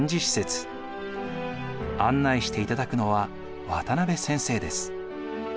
案内していただくのは渡辺先生です。